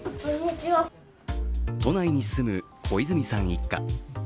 都内に住む小泉さん一家。